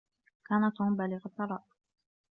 كان توم بالغ الثراء.